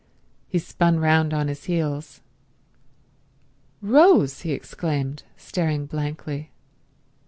He spun round on his heels. "Rose!" he exclaimed, staring blankly.